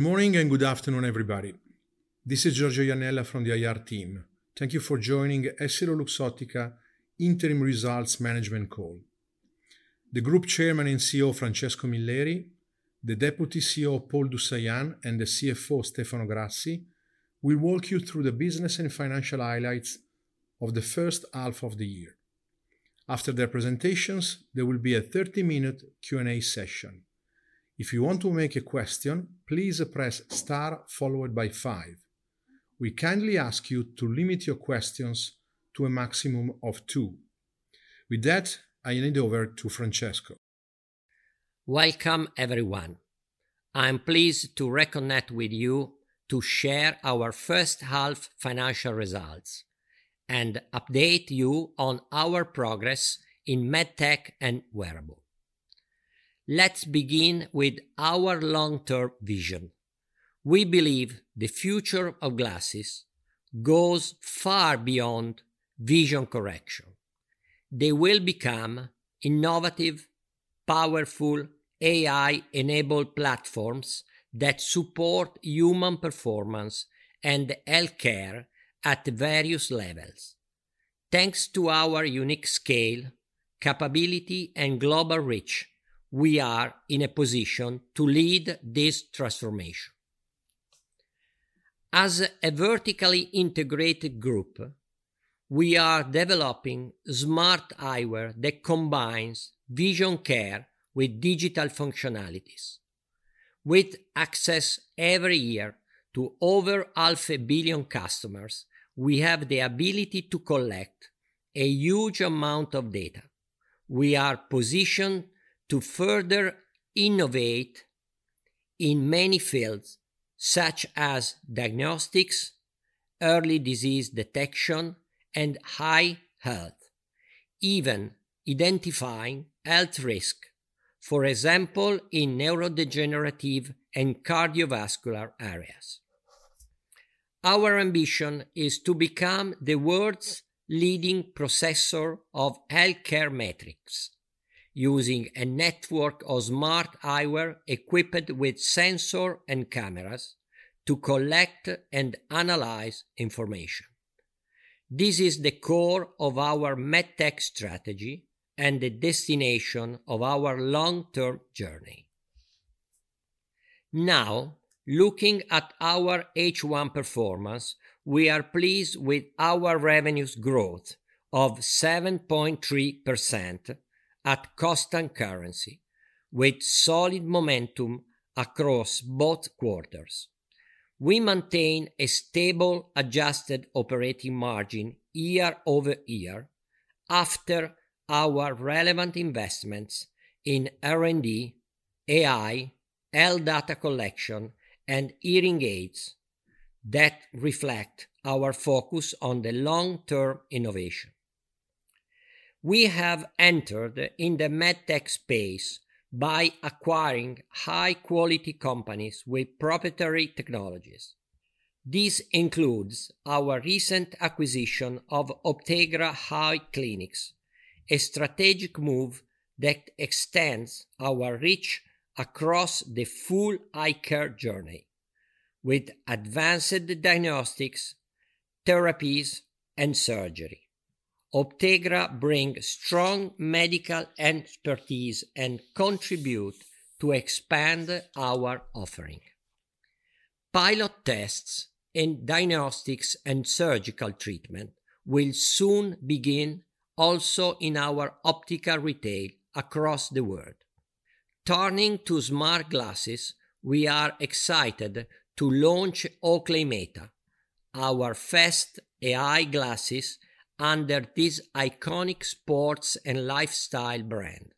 Good morning and good afternoon, everybody. This is Giorgio Iannella from the IR team. Thank you for joining EssilorLuxottica's interim results management call. The Group Chairman and CEO Francesco Milleri, the Deputy CEO Paul du Saillant, and the CFO Stefano Grassi will walk you through the business and financial highlights of the first half of the year. After their presentations, there will be a 30-minute Q&A session. If you want to make a question, please press star followed by five. We kindly ask you to limit your questions to a maximum of two. With that, I hand it over to Francesco. Welcome, everyone. I'm pleased to reconnect with you to share our first half financial results and update you on our progress in Medtech and Wearable. Let's begin with our long-term vision. We believe the future of glasses goes far beyond Vision correction. They will become innovative, powerful AI-enabled platforms that support human performance and healthcare at various levels. Thanks to our unique scale, capability, and global reach, we are in a position to lead this transformation. As a vertically integrated group, we are developing smart eyewear that combines Vision Care with digital functionalities. With access every year to over half a billion customers, we have the ability to collect a huge amount of data. We are positioned to further innovate in many fields such as diagnostics, early disease detection, and high health, even identifying health risks, for example, in neurodegenerative and cardiovascular areas. Our ambition is to become the world's leading processor of healthcare metrics, using a network of smart Eyewear equipped with sensors and cameras to collect and analyze information. This is the core of our Medtech strategy and the destination of our long-term journey. Now, looking at our H1 performance, we are pleased with our revenue growth of 7.3% at constant currency, with solid momentum across both quarters. We maintain a stable adjusted operating margin year-over-year after our relevant investments in R&D, AI, health data collection, and Hearing aids. That reflects our focus on the long-term innovation. We have entered the Medtech space by acquiring high-quality companies with proprietary technologies. This includes our recent acquisition of Optegra Eye Clinics, a strategic move that extends our reach across the full eye care journey with advanced diagnostics, therapies, and surgery. Optegra brings strong medical expertise and contributes to expand our offering. Pilot tests in diagnostics and surgical treatment will soon begin, also in our Optical retail across the world. Turning to smart glasses, we are excited to launch Oakley Meta, our first AI glasses under this iconic sports and lifestyle brand.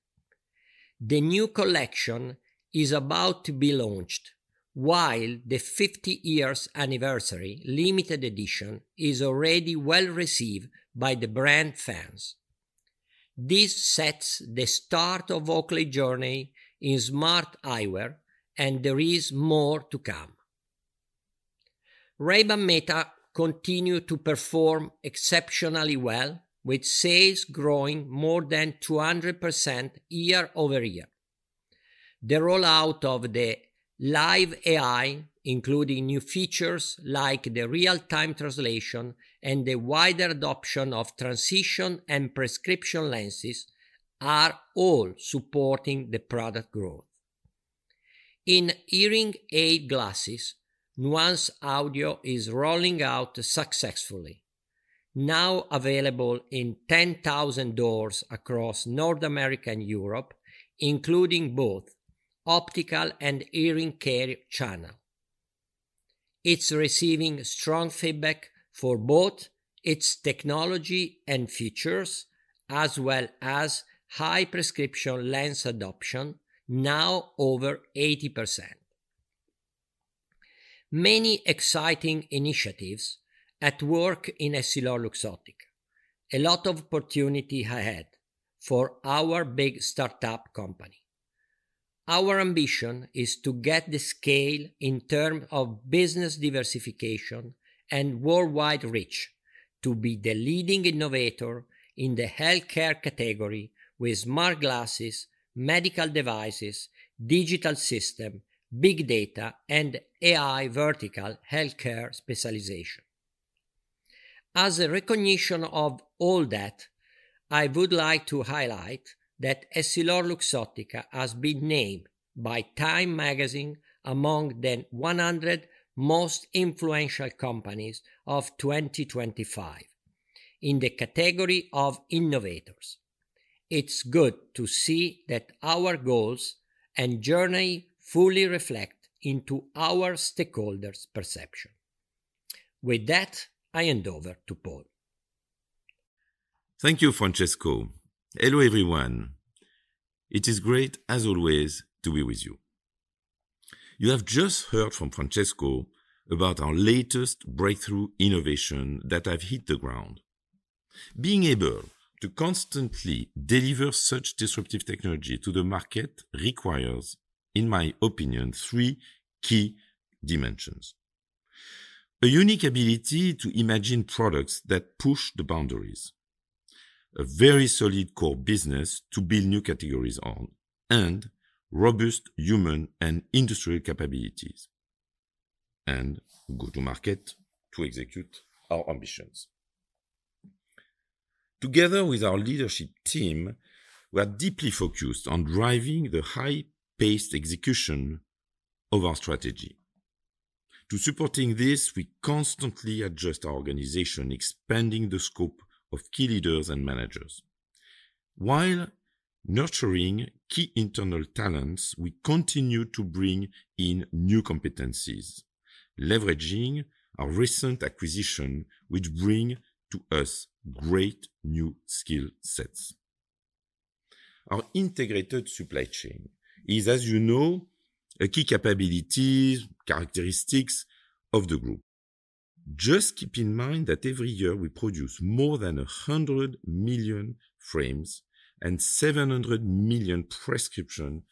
The new collection is about to be launched, while the 50-year anniversary limited edition is already well received by the brand fans. This sets the start of Oakley's journey in smart Eyewear, and there is more to come. Ray-Ban Meta continues to perform exceptionally well, with sales growing more than 200% year-over-year. The rollout of the Live AI, including new features like the real-time translation and the wider adoption of Transitions and Prescription lenses, are all supporting the product growth. In Hearing aid glasses, Nuance Audio is rolling out successfully, now available in 10,000 stores across North America and Europe, including both Optical and Hearing care channels. It's receiving strong feedback for both its technology and features, as well as high Prescription lens adoption, now over 80%. Many exciting initiatives are at work in EssilorLuxottica. A lot of opportunities ahead for our big startup company. Our ambition is to get the scale in terms of business diversification and worldwide reach to be the leading innovator in the healthcare category with smart glasses, medical devices, digital systems, big data, and AI vertical healthcare specialization. As a recognition of all that, I would like to highlight that EssilorLuxottica has been named by Time Magazine among the 100 most influential companies of 2025 in the category of innovators. It's good to see that our goals and journey fully reflect our stakeholders' perception. With that, I hand over to Paul. Thank you, Francesco. Hello everyone. It is great, as always, to be with you. You have just heard from Francesco about our latest breakthrough innovation that has hit the ground. Being able to constantly deliver such disruptive technology to the market requires, in my opinion, three key dimensions. A unique ability to imagine products that push the boundaries. A very solid core business to build new categories on, and robust human and industrial capabilities. A good market to execute our ambitions. Together with our leadership team, we are deeply focused on driving the high-paced execution of our strategy. To support this, we constantly adjust our organization, expanding the scope of key leaders and managers. While nurturing key internal talents, we continue to bring in new competencies, leveraging our recent acquisitions, which bring to us great new skill sets. Our integrated supply chain is, as you know, a key capability characteristic of the group. Just keep in mind that every year we produce more than 100 million frames and 700 million Prescription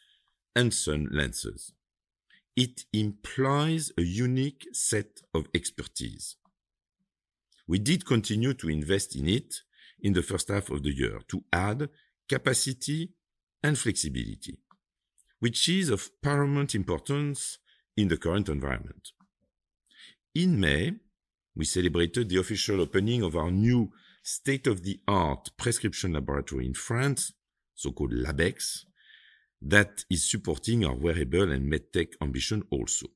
and sun lenses. It implies a unique set of expertise. We did continue to invest in it in the first half of the year to add capacity and flexibility, which is of paramount importance in the current environment. In May, we celebrated the official opening of our new state-of-the-art Prescription laboratory in France, so-called Labex. That is supporting our Wearable and Medtech ambition also.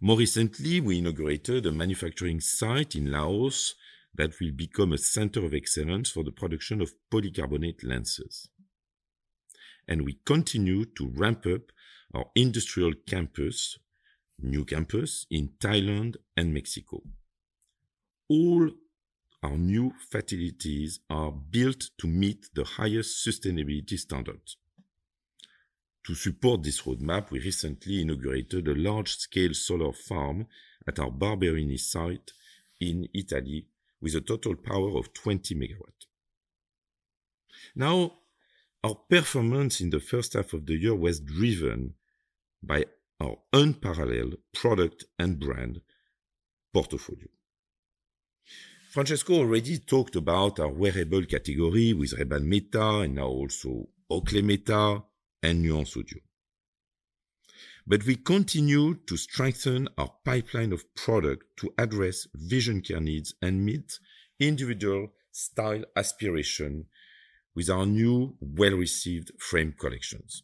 More recently, we inaugurated a manufacturing site in Laos that will become a center of excellence for the production of Polycarbonate lenses. We continue to ramp up our industrial campus. New campus in Thailand and Mexico. All our new facilities are built to meet the highest sustainability standards. To support this roadmap, we recently inaugurated a large-scale solar farm at our Barberini site in Italy with a total power of 20 MW. Now, our performance in the first half of the year was driven by our unparalleled product and brand portfolio. Francesco already talked about our wearable category with Ray-Ban Meta and now also Oakley Meta and Nuance Audio. We continue to strengthen our pipeline of product to address Vision Care needs and meet individual style aspirations with our new well-received frame collections.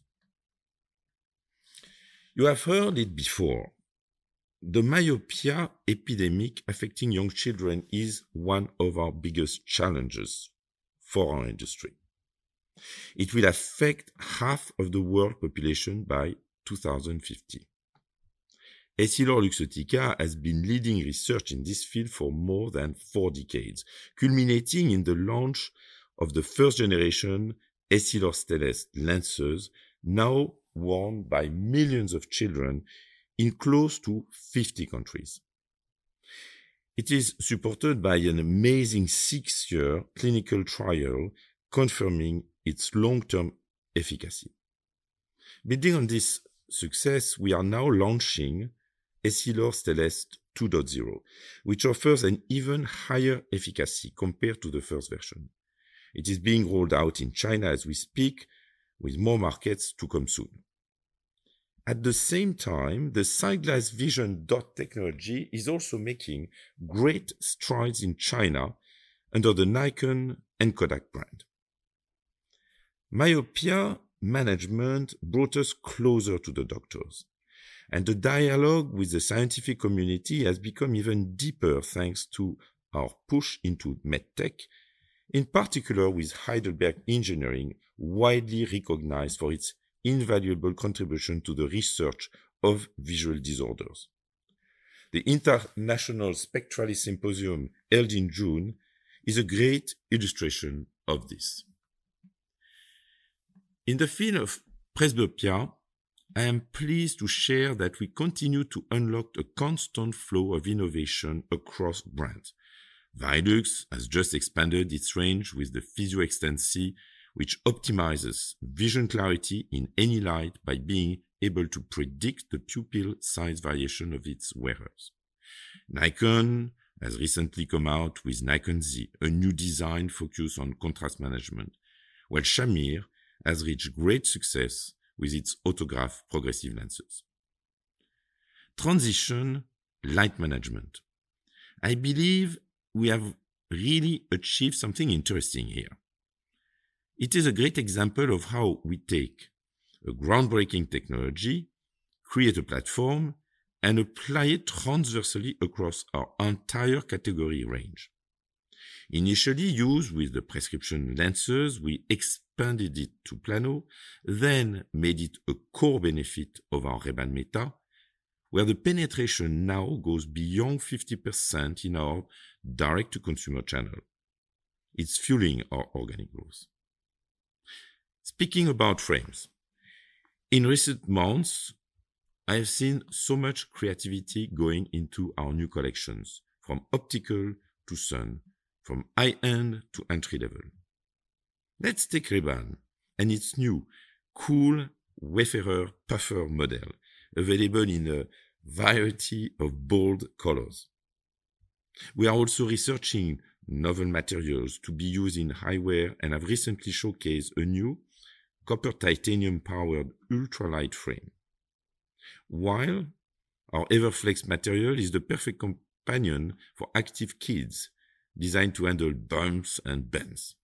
You have heard it before. The Myopia epidemic affecting young children is one of our biggest challenges for our industry. It will affect half of the world population by 2050. EssilorLuxottica has been leading research in this field for more than four decades, culminating in the launch of the first-generation Essilor Stellest lenses, now worn by millions of children in close to 50 countries. It is supported by an amazing six-year clinical trial confirming its long-term efficacy. Building on this success, we are now launching Essilor Stellest 2.0, which offers an even higher efficacy compared to the first version. It is being rolled out in China as we speak, with more markets to come soon. At the same time, the side glass Vision Dot technology is also making great strides in China under the Nikon and Kodak brand. Myopia management brought us closer to the doctors, and the dialogue with the scientific community has become even deeper thanks to our push into Medtech, in particular with Heidelberg Engineering, widely recognized for its invaluable contribution to the research of visual disorders. The International Spectralism Symposium held in June is a great illustration of this. In the field of presbyopia, I am pleased to share that we continue to unlock a constant flow of innovation across brands. Varilux has just expanded its range with the Physio Extensee, which optimizes Vision clarity in any light by being able to predict the pupil size variation of its wearers. Nikon has recently come out with Nikon Z, a new design focused on contrast management, while Shamir has reached great success with its Autograph progressive lenses. Transitions light management. I believe we have really achieved something interesting here. It is a great example of how we take a groundbreaking technology, create a platform, and apply it transversely across our entire category range. Initially used with the Prescription lenses, we expanded it to plano, then made it a core benefit of our Ray-Ban Meta, where the penetration now goes beyond 50% in our Direct-to-consumer channel. It's fueling our organic growth. Speaking about frames. In recent months, I have seen so much creativity going into our new collections, from Optical to sun, from high-end to entry-level. Let's take Ray-Ban and its new cool Wayfarer Puffer model, available in a variety of bold colors. We are also researching novel materials to be used in high wear and have recently showcased a new copper titanium-powered ultralight frame. While our Everflex material is the perfect companion for active kids designed to handle bumps and bends.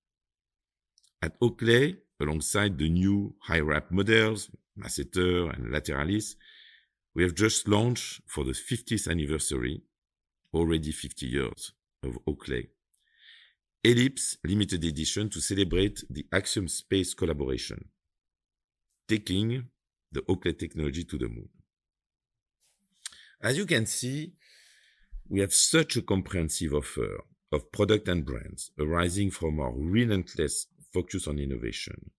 At Oakley, alongside the new high-rep models, Maceter and Lateralis, we have just launched for the 50th anniversary, already 50 years of Oakley. Ellipse limited edition to celebrate the Axiom Space collaboration. Taking the Oakley technology to the moon. As you can see. We have such a comprehensive offer of products and brands arising from our relentless focus on innovation.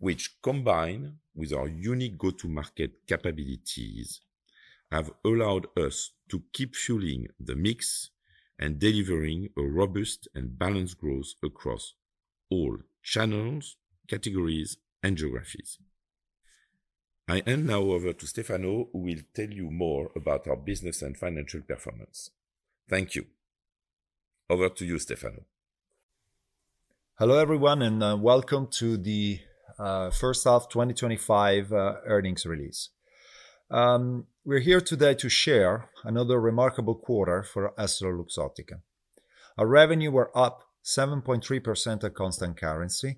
Which, combined with our unique go-to-market capabilities. Have allowed us to keep fueling the mix and delivering a robust and balanced growth across all channels, categories, and geographies. I hand now over to Stefano, who will tell you more about our business and financial performance. Thank you. Over to you, Stefano. Hello everyone, and welcome to the first half 2025 earnings release. We're here today to share another remarkable quarter for EssilorLuxottica. Our revenues were up 7.3% at constant currency,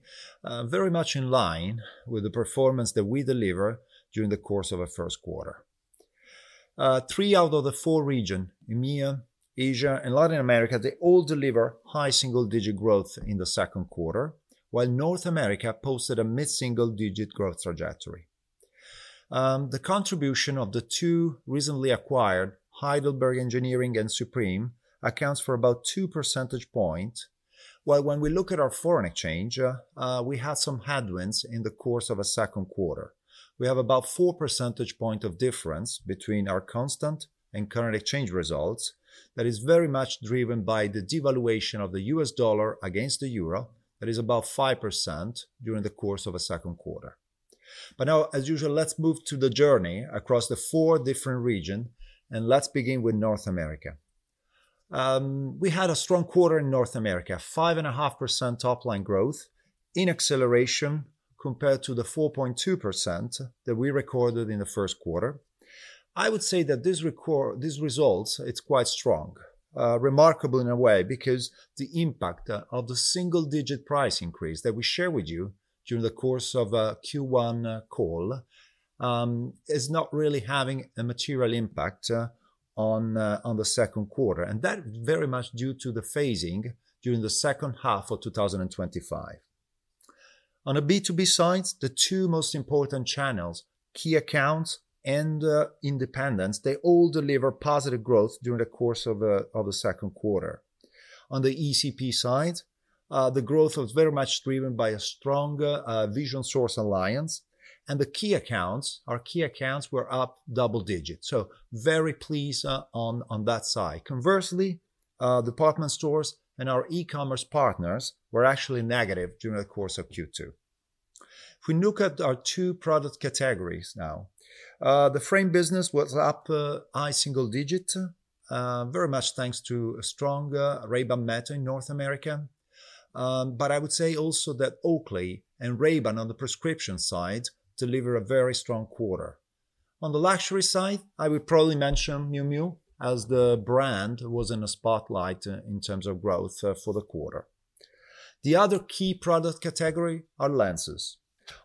very much in line with the performance that we delivered during the course of the first quarter. Three out of the four regions, EMEA, Asia, and Latin America, they all delivered high single-digit growth in the second quarter, while North America posted a mid-single-digit growth trajectory. The contribution of the two recently acquired, Heidelberg Engineering and Supreme, accounts for about two percentage points, while when we look at our foreign exchange, we had some headwinds in the course of the second quarter. We have about four percentage points of difference between our constant and current exchange results that is very much driven by the devaluation of the U.S. dollar against the Euro, that is about 5% during the course of the second quarter. Now, as usual, let's move to the journey across the four different regions, and let's begin with North America. We had a strong quarter in North America, 5.5% top-line growth in acceleration compared to the 4.2% that we recorded in the first quarter. I would say that these results, it's quite strong, remarkable in a way, because the impact of the single-digit price increase that we share with you during the course of a Q1 call is not really having a material impact on the second quarter, and that's very much due to the phasing during the second half of 2025. On the B2B side, the two most important channels, key accounts and independents, they all deliver positive growth during the course of the second quarter. On the ECP side, the growth was very much driven by a strong Vision Source alliance, and the key accounts, our key accounts, were up double-digits, so very pleased on that side. Conversely, department stores and our e-commerce partners were actually negative during the course of Q2. If we look at our two product categories now, the frame business was up high single-digits, very much thanks to a strong Ray-Ban Meta in North America. I would say also that Oakley and Ray-Ban on the Prescription side delivered a very strong quarter. On the luxury side, I would probably mention Miu Miu as the brand was in the spotlight in terms of growth for the quarter. The other key product category are lenses.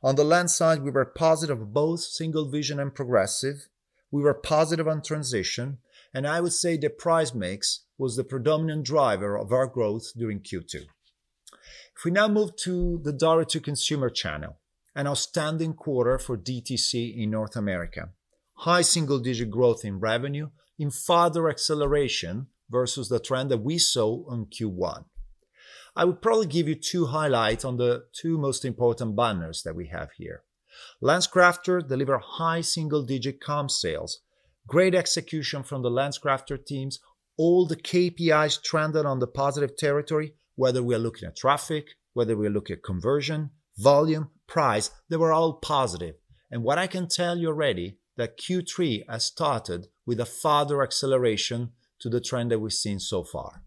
On the lens side, we were positive on both single Vision and progressive. We were positive on Transitions, and I would say the price mix was the predominant driver of our growth during Q2. If we now move to the Direct-to-consumer channel and our standing quarter for DTC in North America, high single-digit growth in revenue in further acceleration versus the trend that we saw in Q1. I would probably give you two highlights on the two most important banners that we have here. LensCrafters delivered high single-digit comp sales, great execution from the LensCrafters teams, all the KPIs trended in the positive territory, whether we are looking at traffic, whether we are looking at conversion, volume, price, they were all positive. What I can tell you already is that Q3 has started with a further acceleration to the trend that we have seen so far.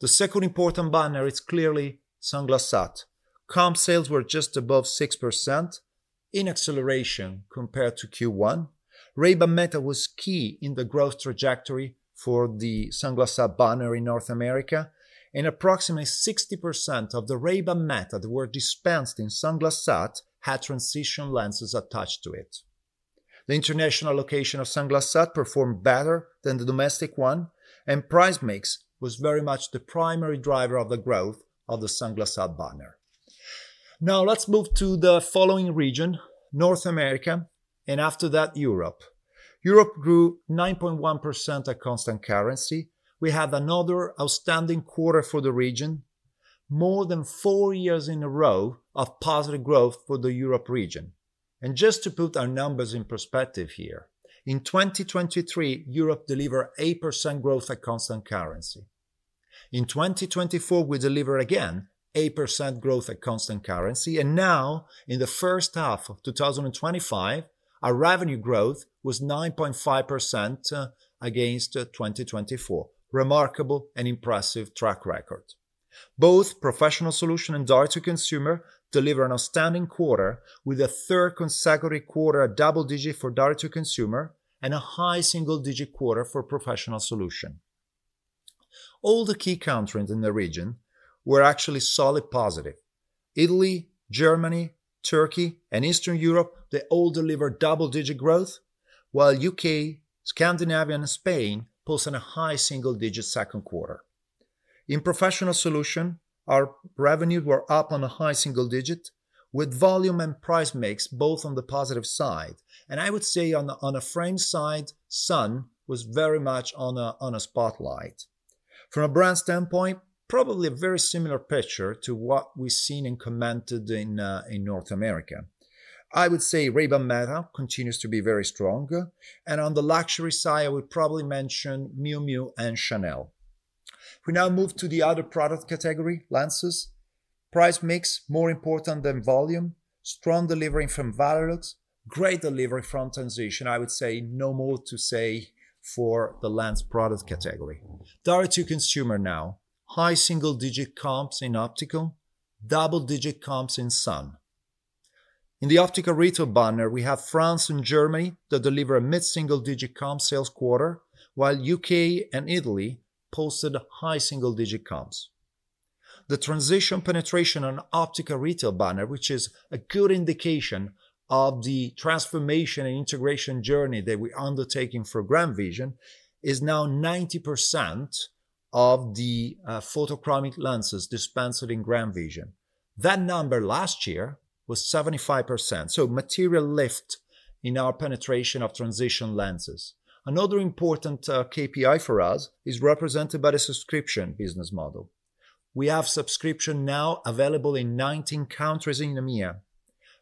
The second important banner is clearly Sunglass Hut. Comp sales were just above 6%, in acceleration compared to Q1. Ray-Ban Meta was key in the growth trajectory for the Sunglass Hut banner in North America, and approximately 60% of the Ray-Ban Meta that were dispensed in Sunglass Hut had Transitions lenses attached to it. The international locations of Sunglass Hut performed better than the domestic one, and price mix was very much the primary driver of the growth of the Sunglass Hut banner. Now let's move to the following region, North America, and after that, Europe. Europe grew 9.1% at constant currency. We had another outstanding quarter for the region. More than four years in a row of positive growth for the Europe region. Just to put our numbers in perspective here, in 2023, Europe delivered 8% growth at constant currency. In 2024, we delivered again 8% growth at constant currency, and now in the first half of 2025, our revenue growth was 9.5% against 2024, remarkable and impressive track record. Both Professional Solution and Direct-to-Consumer delivered an outstanding quarter with a third consecutive quarter at double-digit for Direct-to-Consumer and a high single-digit quarter for Professional Solution. All the key countries in the region were actually solid positive. Italy, Germany, Turkey, and Eastern Europe, they all delivered double-digit growth, while the U.K., Scandinavia, and Spain posted a high single-digit second quarter. In Professional Solution, our revenues were up on a high single-digit with volume and price mix both on the positive side, and I would say on the frame side, sun was very much in the spotlight. From a brand standpoint, probably a very similar picture to what we have seen and commented in North America. I would say Ray-Ban Meta continues to be very strong, and on the luxury side, I would probably mention Miu Miu and Chanel. We now move to the other product category, lenses. Price mix more important than volume, strong delivery from Varilux, great delivery from Transitions, I would say no more to say for the lens product category. Direct-to-Consumer now, high single-digit comps in Optical, double-digit comps in sun. In the Optical retail banner, we have France and Germany that deliver a mid-single-digit comp sales quarter, while the U.K. and Italy posted high single-digit comps. The Transitions penetration on Optical retail banner, which is a good indication of the transformation and integration journey that we are undertaking for GrandVision, is now 90% of the photochromic lenses dispensed in GrandVision. That number last year was 75%, so material lift in our penetration of Transitions lenses. Another important KPI for us is represented by the subscription business model. We have subscription now available in 19 countries in EMEA,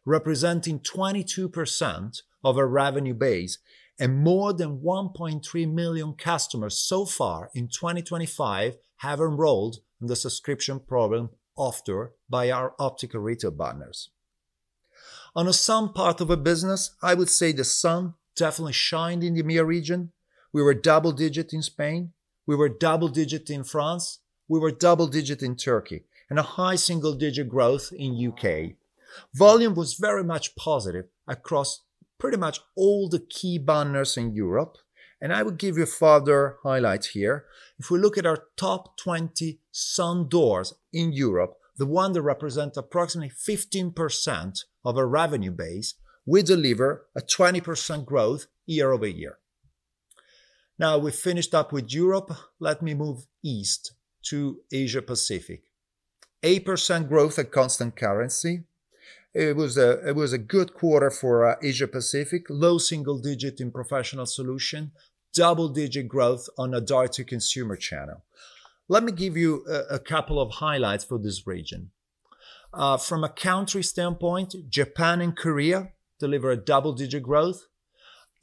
representing 22% of our revenue base, and more than 1.3 million customers so far in 2025 have enrolled in the subscription program offered by our Optical retail partners. On the sun part of our business, I would say the sun definitely shined in the EMEA region. We were double digit in Spain, we were double digit in France, we were double digit in Turkey, and a high single-digit growth in the U.K. Volume was very much positive across pretty much all the key banners in Europe, and I would give you further highlights here. If we look at our top 20 sun doors in Europe, the ones that represent approximately 15% of our revenue base, we deliver a 20% growth year-over-year. Now we finished up with Europe, let me move east to Asia-Pacific. 8% growth at constant currency. It was a good quarter or Asia-Pacific, low single-digit in Professional Solution, double digit growth on the Direct-to-Consumer channel. Let me give you a couple of highlights for this region. From a country standpoint, Japan and Korea deliver a double-digit growth.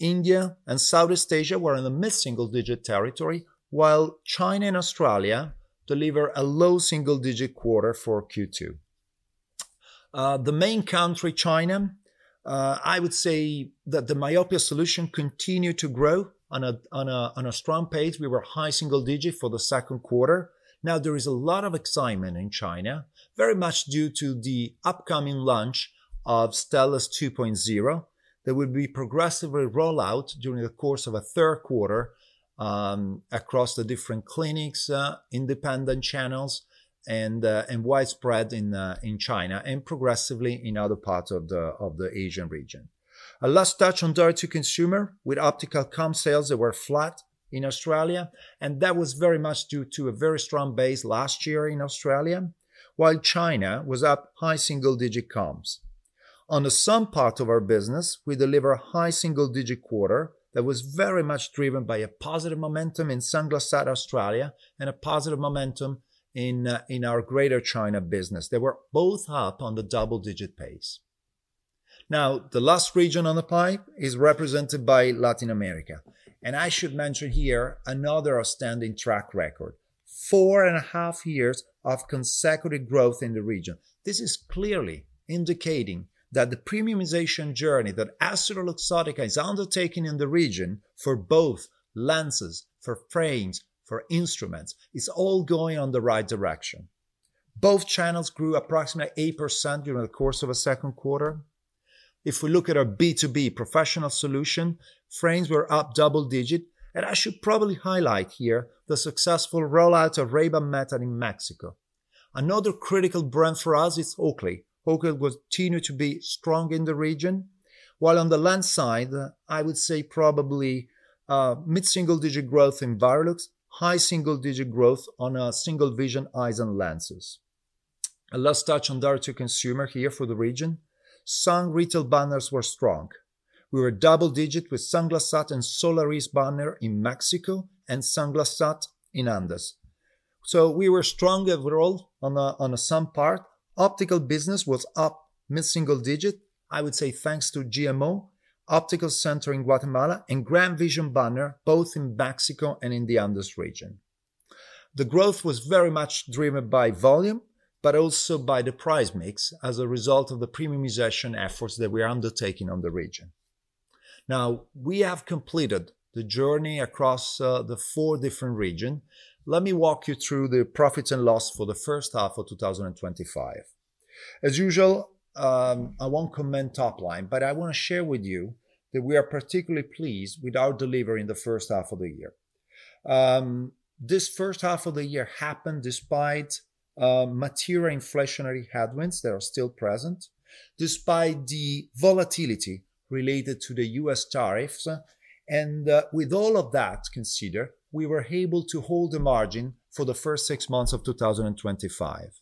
India and Southeast Asia were in the mid-single digit territory, while China and Australia deliver a low single digit quarter for Q2. The main country, China, I would say that the Myopia Solution continued to grow on a strong pace. We were high single digit for the second quarter. Now there is a lot of excitement in China, very much due to the upcoming launch of Stellest 2.0 that will be progressively rolled out during the course of the third quarter. Across the different clinics, Independent channels, and widespread in China and progressively in other parts of the Asian region. A last touch on Direct-to-Consumer, with Optical comp sales that were flat in Australia, and that was very much due to a very strong base last year in Australia, while China was up high single digit comps. On the sun part of our business, we deliver a high single digit quarter that was very much driven by a positive momentum in Sunglass Hut Australia and a positive momentum in our Greater China business. They were both up on the double digit pace. Now, the last region on the pie is represented by Latin America, and I should mention here another outstanding track record. Four and a half years of consecutive growth in the region. This is clearly indicating that the premiumization journey that EssilorLuxottica is undertaking in the region for both lenses, for frames, for instruments, is all going in the right direction. Both channels grew approximately 8% during the course of the second quarter. If we look at our B2B Professional Solution, frames were up double digit, and I should probably highlight here the successful rollout of Ray-Ban Meta in Mexico. Another critical brand for us is Oakley. Oakley continued to be strong in the region, while on the lens side, I would say probably mid-single digit growth in Varilux, high single digit growth on single Vision eyes and lenses. A last touch on Direct-to-Consumer here for the region. Some retail banners were strong. We were double digit with Sunglass Hut and Solaris banner in Mexico and Sunglass Hut in Andes. We were strong overall on the sun part. Optical business was up mid-single digit, I would say thanks to GMO, Optical Center in Guatemala, and GrandVision banner both in Mexico and in the Andes region. The growth was very much driven by volume, but also by the price mix as a result of the premiumization efforts that we are undertaking in the region. Now, we have completed the journey across the four different regions. Let me walk you through the profits and loss for the first half of 2025. As usual, I won't comment top line, but I want to share with you that we are particularly pleased with our delivery in the first half of the year. This first half of the year happened despite material inflationary headwinds that are still present. Despite the volatility related to the US tariffs, and with all of that considered, we were able to hold the margin for the first six months of 2025.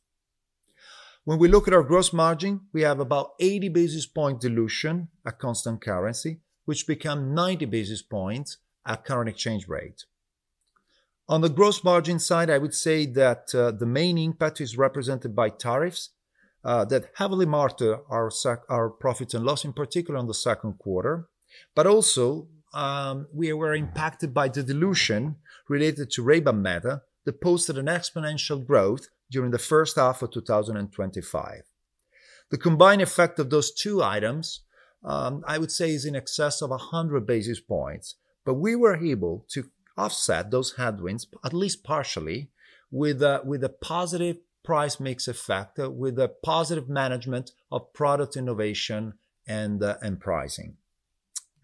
When we look at our gross margin, we have about 80 basis point dilution at constant currency, which becomes 90 basis points at current exchange rate. On the gross margin side, I would say that the main impact is represented by tariffs that heavily marked our profits and loss, in particular on the second quarter, but also we were impacted by the dilution related to Ray-Ban Meta that posted an exponential growth during the first half of 2025. The combined effect of those two items, I would say, is in excess of 100 basis points, but we were able to offset those headwinds at least partially with a positive price mix effect, with a positive management of product innovation and pricing.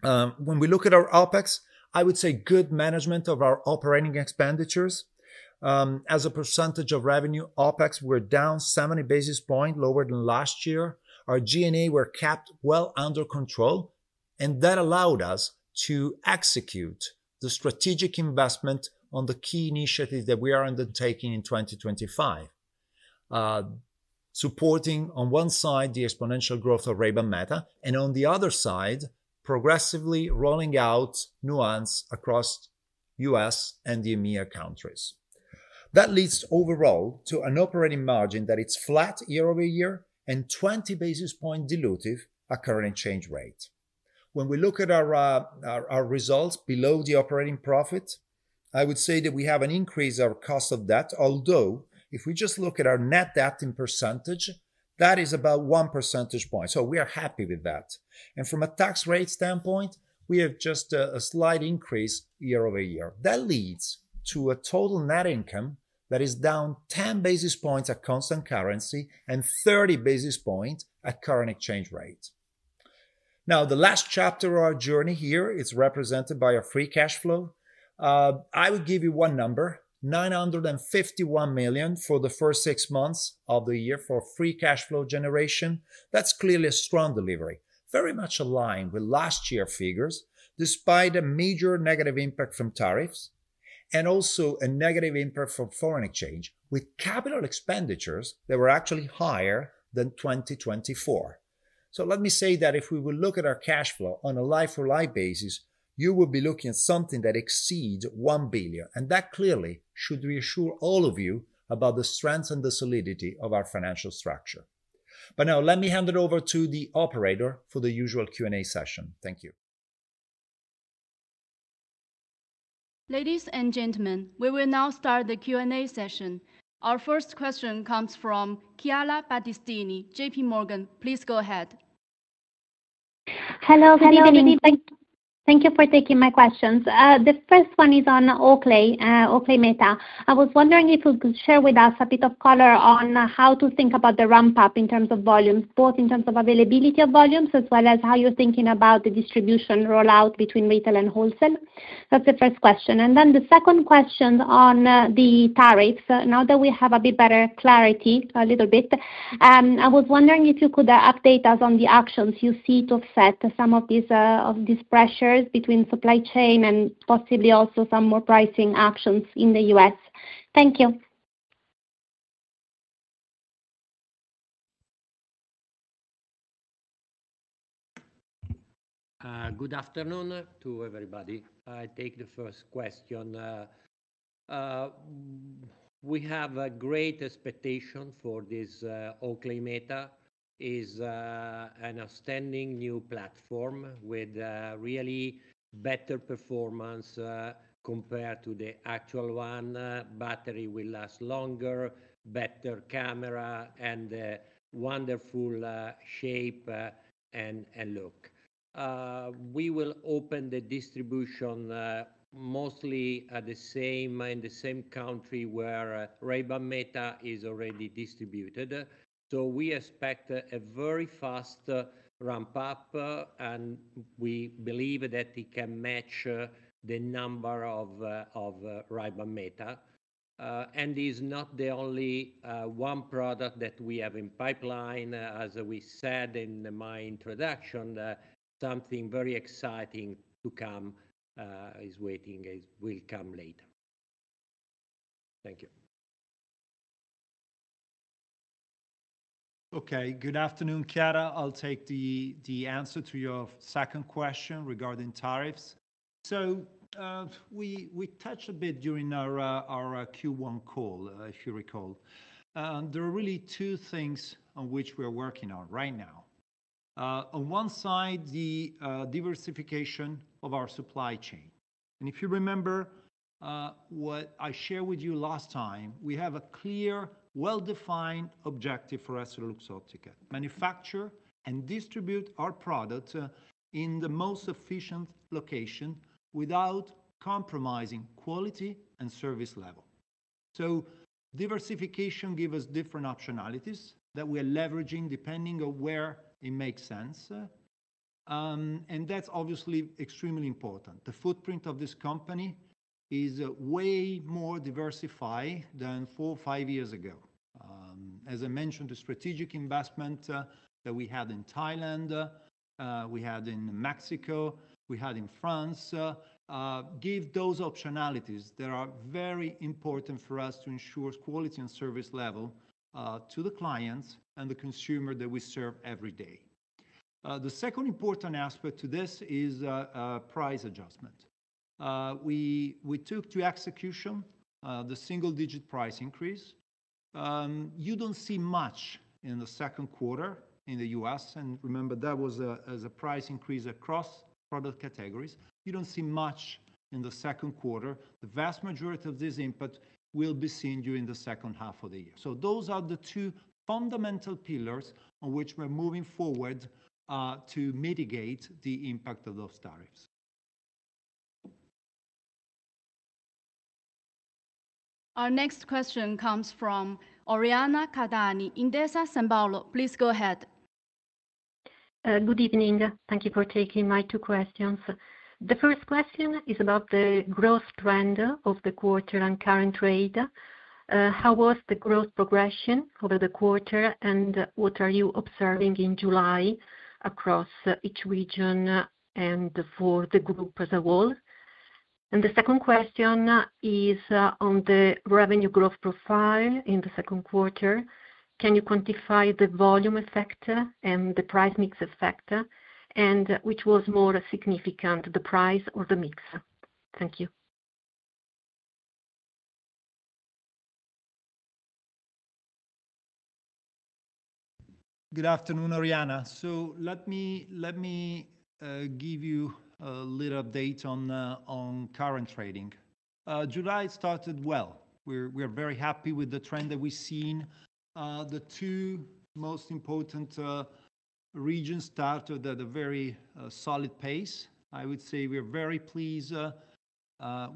When we look at our OPEX, I would say good management of our operating expenditures. As a percentage of revenue, OPEX were down 70 basis points lower than last year. Our G&A were kept well under control, and that allowed us to execute the strategic investment on the key initiatives that we are undertaking in 2025. Supporting on one side the exponential growth of Ray-Ban Meta and on the other side, progressively rolling out new ones across U.S. and EMEA countries. That leads overall to an operating margin that is flat year-over-year and 20 basis points dilutive at current exchange rate. When we look at our results below the operating profit, I would say that we have an increase in our cost of debt, although if we just look at our net debt in percentage, that is about one percentage point, so we are happy with that. From a tax rate standpoint, we have just a slight increase year-over-year. That leads to a total net income that is down 10 basis points at constant currency and 30 basis points at current exchange rate. Now, the last chapter of our journey here is represented by our free cash flow. I would give you one number, 951 million for the first six months of the year for free cash flow generation. That is clearly a strong delivery, very much aligned with last year's figures, despite a major negative impact from tariffs and also a negative impact from foreign exchange with capital expenditures that were actually higher than 2024. Let me say that if we would look at our cash flow on a like-for-like basis, you would be looking at something that exceeds 1 billion, and that clearly should reassure all of you about the strength and the solidity of our financial structure. Let me hand it over to the operator for the usual Q&A session. Thank you. Ladies and gentlemen, we will now start the Q&A session. Our first question comes from Chiara Battistini, JP Morgan. Please go ahead. Hello, good evening. Thank you for taking my questions. The first one is on Oakley, Oakley Meta. I was wondering if you could share with us a bit of color on how to think about the ramp-up in terms of volumes, both in terms of availability of volumes as well as how you are thinking about the distribution rollout between retail and wholesale. That is the first question. The second question on the tariffs, now that we have a bit better clarity a little bit, I was wondering if you could update us on the actions you see to set some of these pressures between supply chain and possibly also some more pricing actions in the U.S.. Thank you. Good afternoon to everybody. I take the first question. We have a great expectation for this Oakley Meta. It is an outstanding new platform with a really better performance compared to the actual one. Battery will last longer, better camera, and a wonderful shape and look. We will open the distribution mostly in the same country where Ray-Ban Meta is already distributed. We expect a very fast ramp-up, and we believe that it can match the number of Ray-Ban Meta. It is not the only one product that we have in pipeline. As we said in my introduction, something very exciting to come is waiting, will come later. Thank you. Good afternoon, Chiara. I will take the answer to your second question regarding tariffs. We touched a bit during our Q1 call, if you recall. There are really two things on which we are working on right now. On one side, the diversification of our supply chain. If you remember. What I shared with you last time, we have a clear, well-defined objective for EssilorLuxottica: manufacture and distribute our product in the most efficient location without compromising quality and service level. Diversification gives us different optionalities that we are leveraging depending on where it makes sense. That is obviously extremely important. The footprint of this company is way more diversified than four or five years ago. As I mentioned, the strategic investment that we had in Thailand, we had in Mexico, we had in France, give those optionalities that are very important for us to ensure quality and service level to the clients and the consumer that we serve every day. The second important aspect to this is price adjustment. We took to execution the single digit price increase. You do not see much in the second quarter in the U.S., and remember that was a price increase across product categories. You do not see much in the second quarter. The vast majority of this input will be seen during the second half of the year. Those are the two fundamental pillars on which we are moving forward to mitigate the impact of those tariffs. Our next question comes from Oriana Cardani, Intesa Senpaolo. Please go ahead. Good evening. Thank you for taking my two questions. The first question is about the growth trend of the quarter on current trade. How was the growth progression over the quarter, and what are you observing in July across each region and for the group as a whole? The second question is on the revenue growth profile in the second quarter. Can you quantify the volume effect and the price mix effect, and which was more significant, the price or the mix? Thank you. Good afternoon, Oriana. Let me give you a little update on current trading. July started well. We are very happy with the trend that we have seen. The two most important regions started at a very solid pace. I would say we are very pleased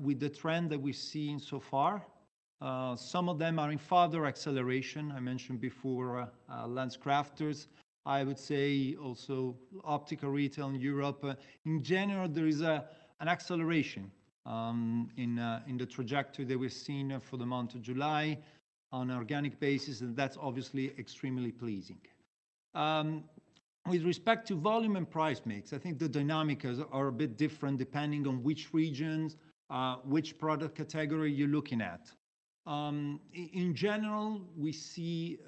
with the trend that we have seen so far. Some of them are in further acceleration. I mentioned before LensCrafters. I would say also Optical retail in Europe. In general, there is an acceleration in the trajectory that we have seen for the month of July on an organic basis, and that is obviously extremely pleasing. With respect to volume and price mix, I think the dynamics are a bit different depending on which region, which product category you are looking at. In general, we see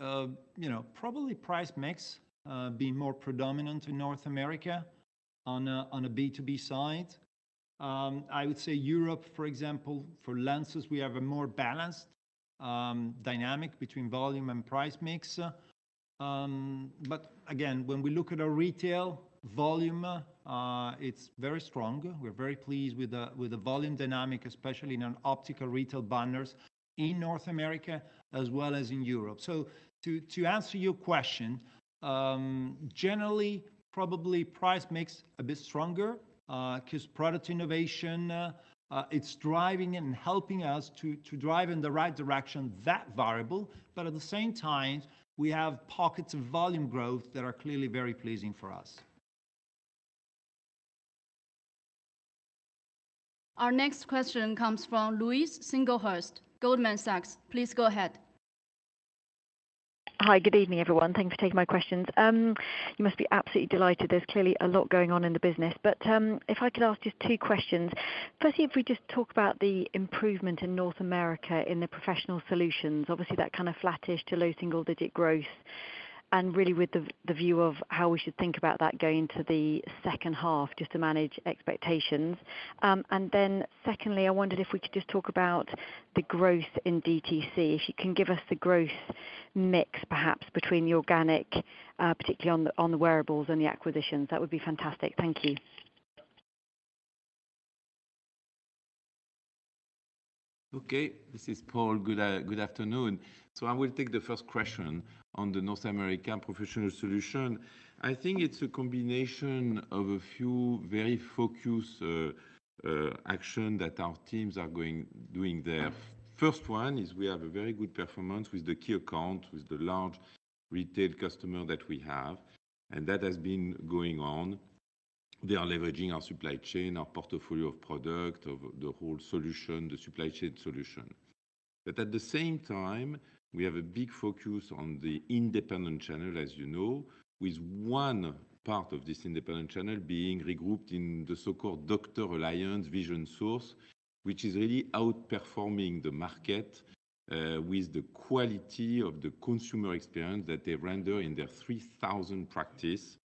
probably price mix being more predominant in North America on a B2B side. I would say Europe, for example, for lenses, we have a more balanced dynamic between volume and price mix. Again, when we look at our retail volume, it is very strong. We are very pleased with the volume dynamic, especially in our Optical retail banners in North America as well as in Europe. To answer your question, generally, probably price mix a bit stronger because product innovation. It's driving and helping us to drive in the right direction that variable, but at the same time, we have pockets of volume growth that are clearly very pleasing for us. Our next question comes from Louise Singlehurst, Goldman Sachs. Please go ahead. Hi, good evening, everyone. Thanks for taking my questions. You must be absolutely delighted. There's clearly a lot going on in the business. If I could ask just two questions. Firstly, if we just talk about the improvement in North America in the professional solutions, obviously that kind of flattish to low single digit growth, and really with the view of how we should think about that going into the second half just to manage expectations. Secondly, I wondered if we could just talk about the growth in DTC. If you can give us the growth mix perhaps between the organic, particularly on the wearables and the acquisitions, that would be fantastic. Thank you. Okay, this is Paul. Good afternoon. I will take the first question on the North American professional solution. I think it's a combination of a few very focused actions that our teams are doing there. First one is we have a very good performance with the key account, with the large retail customer that we have, and that has been going on. They are leveraging our supply chain, our portfolio of product, the whole solution, the supply chain solution. At the same time, we have a big focus on the Independent channel, as you know, with one part of this Independent channel being regrouped in the so-called Doctor Alliance Vision Source, which is really outperforming the market with the quality of the consumer experience that they render in their 3,000 practices.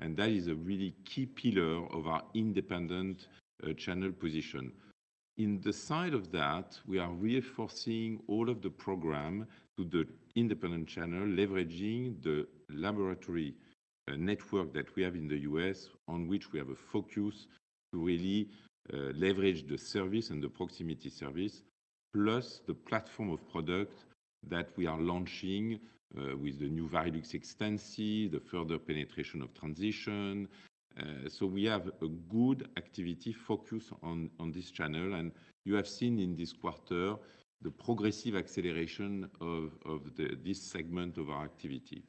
That is a really key pillar of our Independent channel position. In the side of that, we are reinforcing all of the program to the Independent channel, leveraging the laboratory network that we have in the U.S., on which we have a focus to really leverage the service and the proximity service, plus the platform of product that we are launching with the new Varilux Extensee, the further penetration of Transitions. We have a good activity focus on this channel, and you have seen in this quarter the progressive acceleration of this segment of our activity.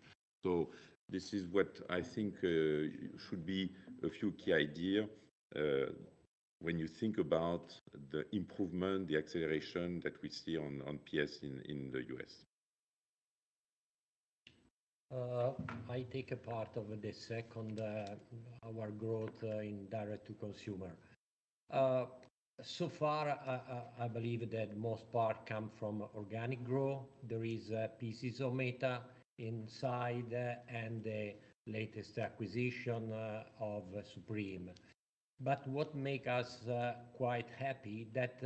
This is what I think should be a few key ideas when you think about the improvement, the acceleration that we see on PS in the U.S.. I take a part of the second. Our growth in Direct-to-consumer. So far, I believe that most part comes from organic growth. There are pieces of Meta inside and the latest acquisition of Supreme. What makes us quite happy is that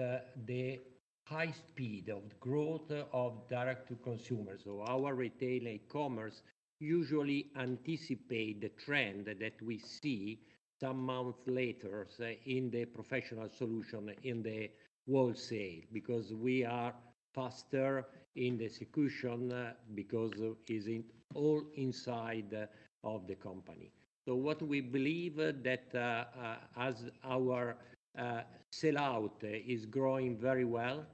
the high speed of growth of Direct-to-consumer. Our retail and e-commerce usually anticipate the trend that we see some months later in the professional solution in the wholesale because we are faster in the execution because it's all inside of the company. What we believe is that as our sellout is growing very well,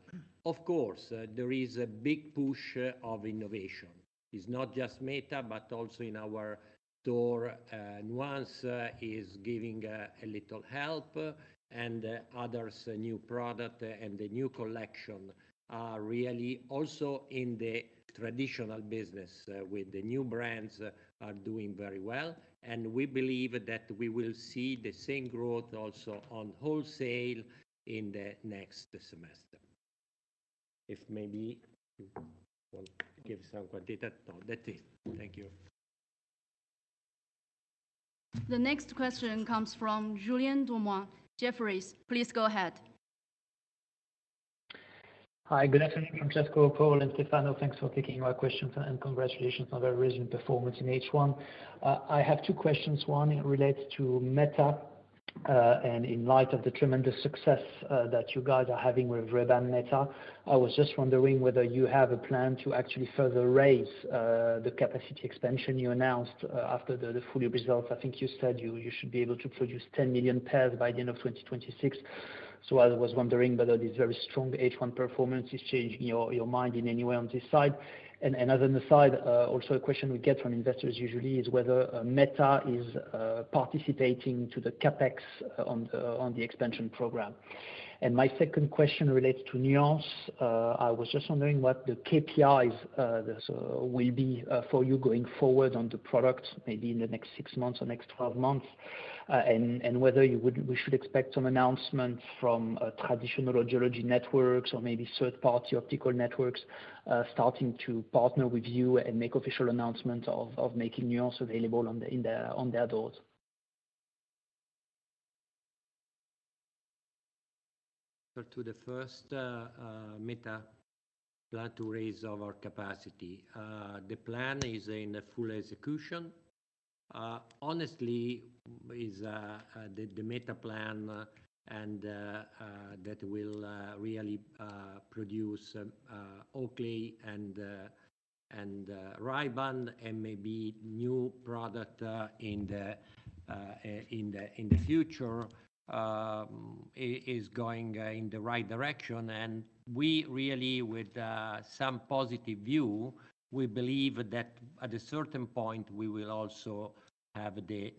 of course, there is a big push of innovation. It's not just Meta, but also in our store Nuance is giving a little help, and other new product and the new collection are really also in the traditional business with the new brands are doing very well. We believe that we will see the same growth also on wholesale in the next semester. If maybe you will give some quantity. No, that's it. Thank you. The next question comes from Julien Dumoulin, Jefferies. Please go ahead. Hi, good afternoon, Francesco, Paul, and Stefano. Thanks for taking our questions and congratulations on the recent performance in H1. I have two questions. One relates to Meta. In light of the tremendous success that you guys are having with Ray-Ban Meta, I was just wondering whether you have a plan to actually further raise the capacity expansion you announced after the full results. I think you said you should be able to produce 10 million pairs by the end of 2026. I was wondering whether this very strong H1 performance is changing your mind in any way on this side. As an aside, also a question we get from investors usually is whether Meta is participating to the CapEx on the expansion program. My second question relates to Nuance. I was just wondering what the KPIs will be for you going forward on the product, maybe in the next six months or next 12 months, and whether we should expect some announcements from traditional audiology networks or maybe third-party Optical networks starting to partner with you and make official announcements of making Nuance available on their doors. To the first, Meta, plan to raise our capacity. The plan is in full execution. Honestly, the Meta plan, and that will really produce Oakley and Ray-Ban, and maybe new product in the future, is going in the right direction. We really, with some positive view, believe that at a certain point, we will also have the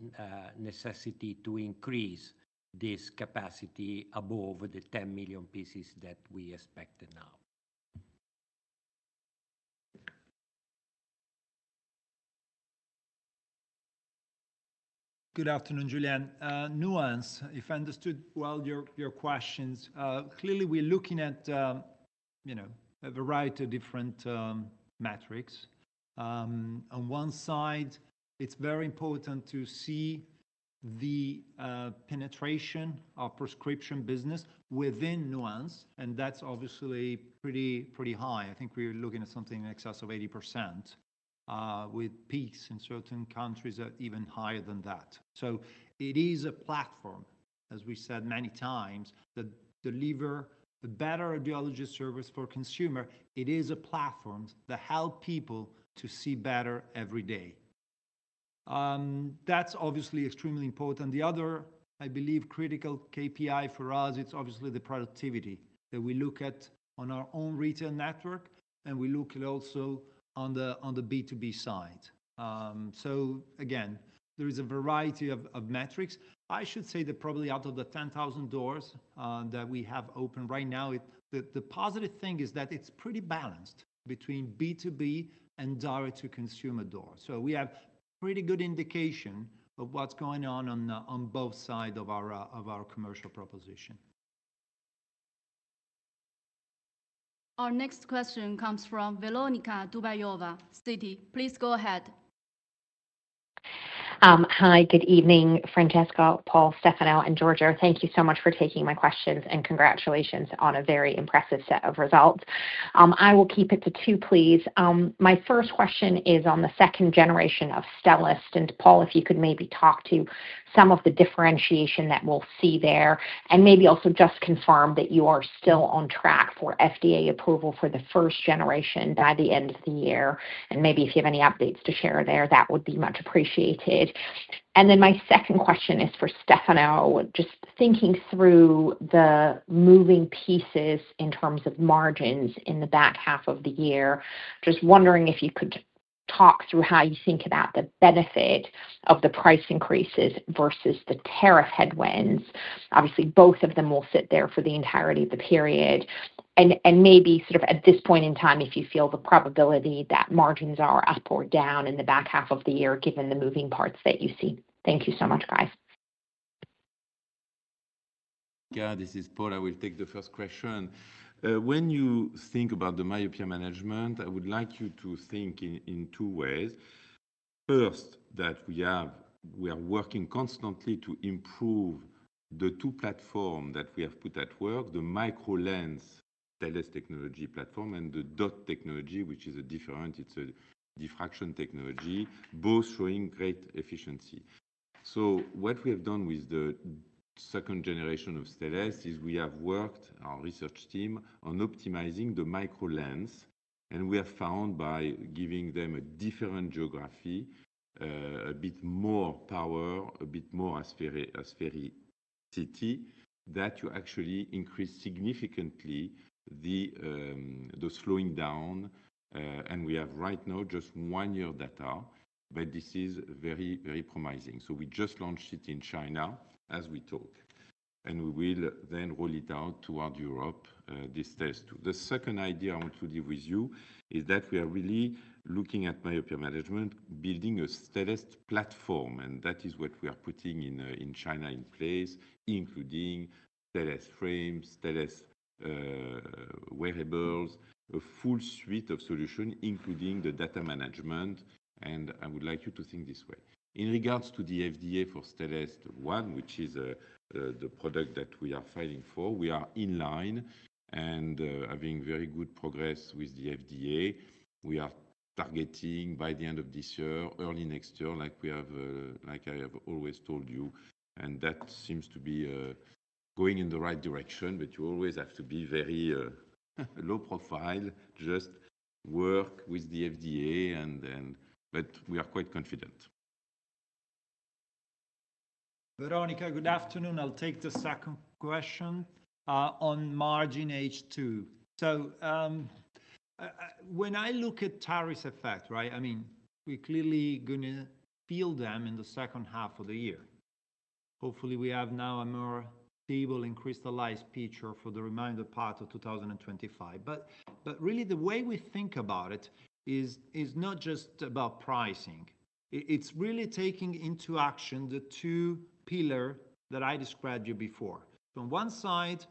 necessity to increase this capacity above the 10 million pieces that we expect now. Good afternoon, Julien. Nuance, if I understood well your questions, clearly we're looking at a variety of different metrics. On one side, it's very important to see the penetration of Prescription business within Nuance, and that's obviously pretty high. I think we're looking at something in excess of 80%, with peaks in certain countries that are even higher than that. It is a platform, as we said many times, that delivers a better audiology service for consumers. It is a platform that helps people to see better every day. That's obviously extremely important. The other, I believe, critical KPI for us, it's obviously the productivity that we look at on our own retail network, and we look at also on the B2B side. Again, there is a variety of metrics. I should say that probably out of the 10,000 doors that we have open right now, the positive thing is that it's pretty balanced between B2B and Direct-to-consumer doors. We have pretty good indication of what's going on on both sides of our commercial proposition. Our next question comes from Veronika Dubayova, Citi. Please go ahead. Hi, good evening, Francesco, Paul, Stefano, and Giorgio. Thank you so much for taking my questions and congratulations on a very impressive set of results. I will keep it to two, please. My first question is on the second generation of Stellest. Paul, if you could maybe talk to some of the differentiation that we'll see there, and maybe also just confirm that you are still on track for FDA approval for the first generation by the end of the year. If you have any updates to share there, that would be much appreciated. My second question is for Stefano, just thinking through the moving pieces in terms of margins in the back half of the year. Just wondering if you could talk through how you think about the benefit of the price increases versus the tariff headwinds. Obviously, both of them will sit there for the entirety of the period. At this point in time, if you feel the probability that margins are up or down in the back half of the year, given the moving parts that you see. Thank you so much, guys. Yeah, this is Paul. I will take the first question. When you think about the Myopia management, I would like you to think in two ways. First, we are working constantly to improve the two platforms that we have put at work, the MicroLens Stellest technology platform and the Dot technology, which is a different, it's a diffraction technology, both showing great efficiency. What we have done with the second generation of Stellest is we have worked on our research team on optimizing the MicroLens, and we have found by giving them a different geography, a bit more power, a bit more asphericity, that you actually increase significantly the slowing down. We have right now just one year data, but this is very, very promising. We just launched it in China as we talk, and we will then roll it out toward Europe, this test. The second idea I want to leave with you is that we are really looking at Myopia management, building a Stellest platform, and that is what we are putting in China in place, including Stellest frames, Stellest wearables, a full suite of solutions, including the data management. I would like you to think this way. In regards to the FDA for Stellest One, which is the product that we are filing for, we are in line and having very good progress with the FDA. We are targeting by the end of this year, early next year, like I have always told you, and that seems to be going in the right direction, but you always have to be very low profile, just work with the FDA, but we are quite confident. Veronika, good afternoon. I'll take the second question. On margin H2. When I look at tariff effect, right, I mean, we're clearly going to feel them in the second half of the year. Hopefully, we have now a more stable and crystallized picture for the remainder part of 2025. Really, the way we think about it is not just about pricing. It's really taking into action the two pillars that I described to you before. On one side,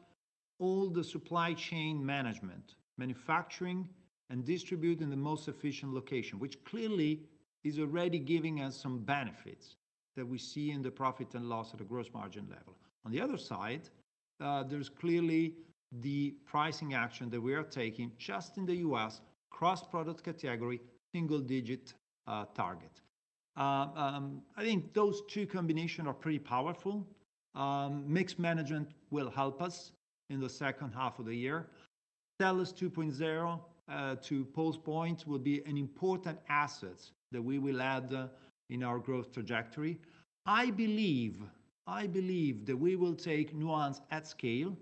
all the supply chain management, manufacturing, and distribute in the most efficient location, which clearly is already giving us some benefits that we see in the profit and loss at a gross margin level. On the other side, there's clearly the pricing action that we are taking just in the U.S., cross-product category, single-digit target. I think those two combinations are pretty powerful. Mixed management will help us in the second half of the year. Stellest 2.0, to Paul's point, will be an important asset that we will add in our growth trajectory. I believe that we will take Nuance at scale.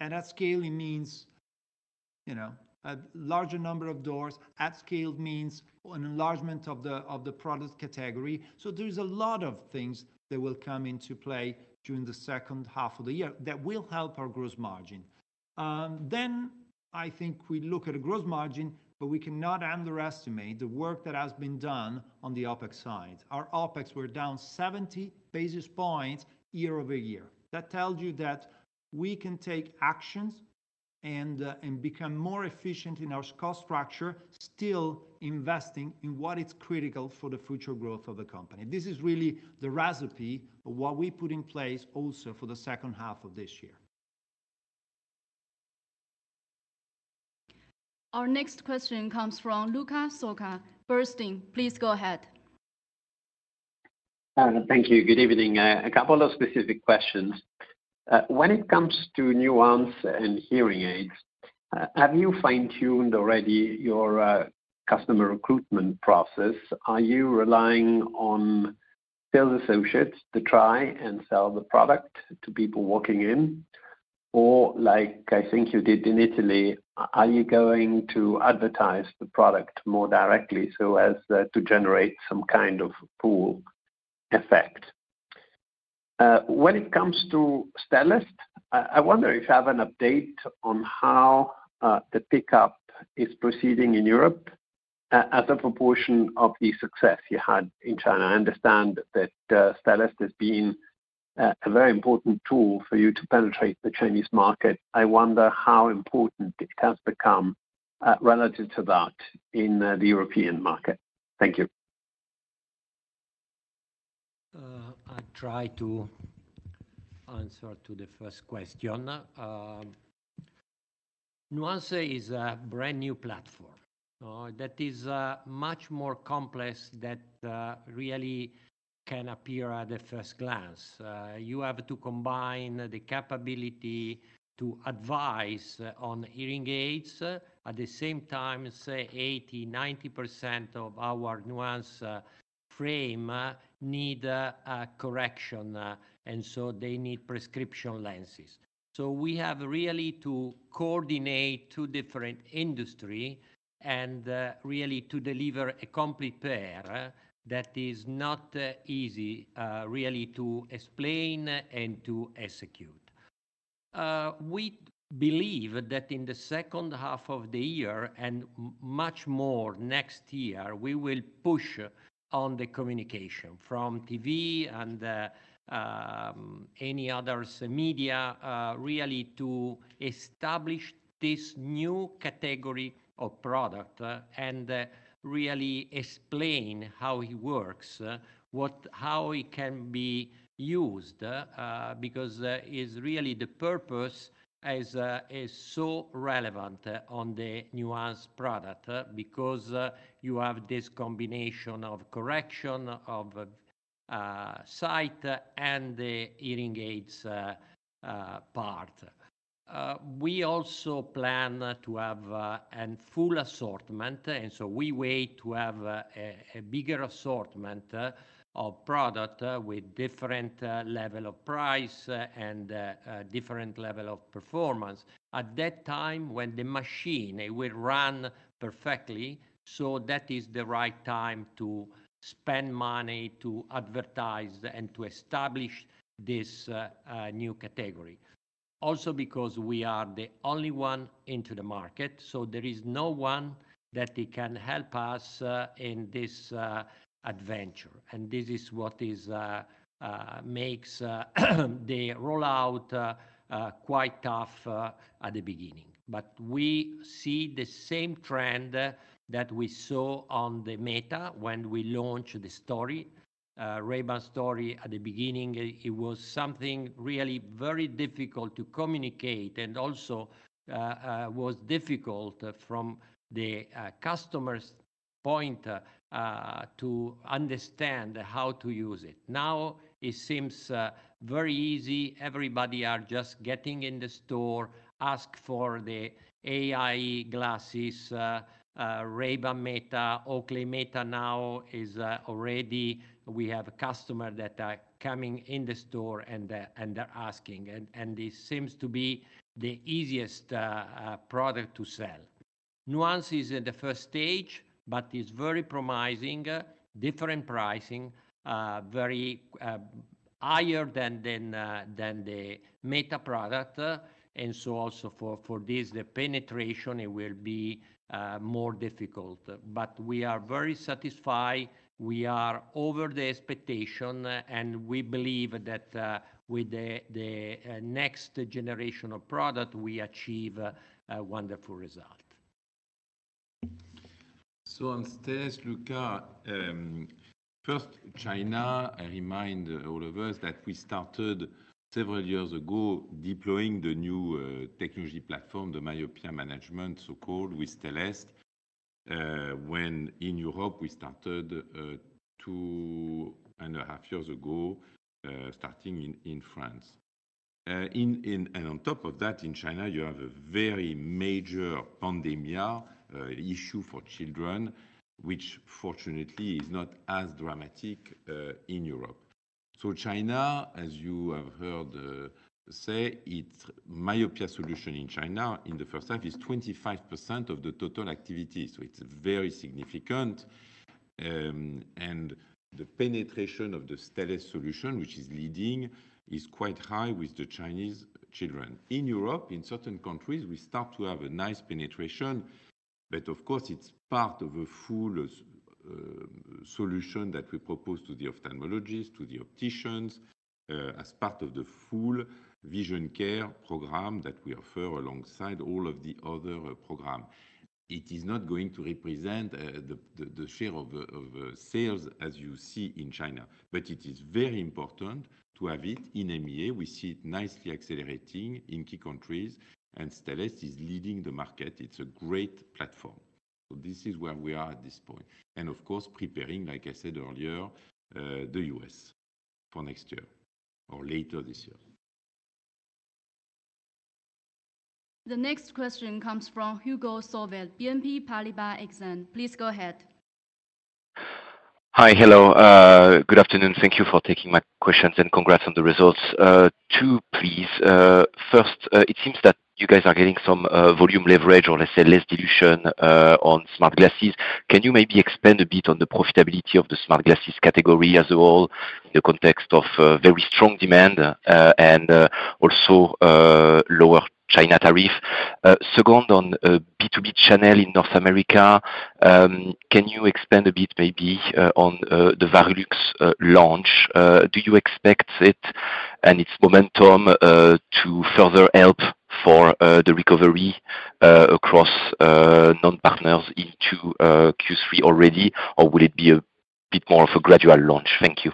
At scale, it means a larger number of doors. At scale means an enlargement of the product category. There is a lot of things that will come into play during the second half of the year that will help our gross margin. I think we look at a gross margin, but we cannot underestimate the work that has been done on the OPEX side. Our OPEX, we're down 70 basis points year-over-year. That tells you that we can take actions and become more efficient in our cost structure, still investing in what is critical for the future growth of the company. This is really the recipe of what we put in place also for the second half of this year. Our next question comes from Luca Solca. Burstein, please go ahead. Thank you. Good evening. A couple of specific questions. When it comes to Nuance and Hearing aids, have you fine-tuned already your customer recruitment process? Are you relying on sales associates to try and sell the product to people walking in? Or like I think you did in Italy, are you going to advertise the product more directly so as to generate some kind of pull effect? When it comes to Stellest, I wonder if you have an update on how the pickup is proceeding in Europe as a proportion of the success you had in China. I understand that Stellest has been. A very important tool for you to penetrate the Chinese market. I wonder how important it has become relative to that in the European market. Thank you. I'll try to answer to the first question. Nuance is a brand new platform that is much more complex than really can appear at the first glance. You have to combine the capability to advise on Hearing aids at the same time, say, 80%-90% of our Nuance frame need a correction, and so they need Prescription lenses. We have really to coordinate two different industries and really to deliver a complete pair that is not easy really to explain and to execute. We believe that in the second half of the year and much more next year, we will push on the communication from TV and any other media really to establish this new category of product and really explain how it works, how it can be used, because it's really the purpose is so relevant on the Nuance product because you have this combination of correction of sight and the Hearing aids part. We also plan to have a full assortment, and so we wait to have a bigger assortment of product with different levels of price and different levels of performance. At that time, when the machine will run perfectly, that is the right time to spend money to advertise and to establish this new category. Also because we are the only one into the market, so there is no one that can help us in this adventure. This is what makes the rollout quite tough at the beginning. We see the same trend that we saw on the Meta when we launched the story. Ray-Ban story at the beginning, it was something really very difficult to communicate and also was difficult from the customer's point to understand how to use it. Now it seems very easy. Everybody is just getting in the store, asks for the AI glasses. Ray-Ban Meta, Oakley Meta now is already we have customers that are coming in the store and they're asking. This seems to be the easiest product to sell. Nuance is in the first stage, but it's very promising, different pricing. Very higher than the Meta product. Also for this, the penetration, it will be more difficult. We are very satisfied. We are over the expectation, and we believe that with the next generation of product, we achieve a wonderful result. On Stellest, Luca. First, China, I remind all of us that we started several years ago deploying the new technology platform, the Myopia management, so-called, with Stellest. When in Europe, we started two and a half years ago, starting in France. On top of that, in China, you have a very major pandemic issue for children, which fortunately is not as dramatic in Europe. China, as you have heard. Say, its Myopia solution in China in the first half is 25% of the total activity. It is very significant. The penetration of the Stellest solution, which is leading, is quite high with the Chinese children. In Europe, in certain countries, we start to have a nice penetration. It is part of a full solution that we propose to the Ophthalmologists, to the opticians, as part of the full Vision Care program that we offer alongside all of the other programs. It is not going to represent the share of sales as you see in China, but it is very important to have it in EMEA. We see it nicely accelerating in key countries, and Stellest is leading the market. It is a great platform. This is where we are at this point. Of course, preparing, like I said earlier, the U.S. for next year or later this year. The next question comes from Hugo Solvet, BNP Paribas Exane. Please go ahead. Hi, hello. Good afternoon. Thank you for taking my questions and congrats on the results. Two please. First, it seems that you guys are getting some volume leverage or, let's say, less dilution on smart glasses. Can you maybe expand a bit on the profitability of the smart glasses category as a whole in the context of very strong demand and also lower China tariff? Second, on B2B channel in North America. Can you expand a bit maybe on the Varilux launch? Do you expect it and its momentum to further help for the recovery across non-partners into Q3 already, or will it be a bit more of a gradual launch? Thank you.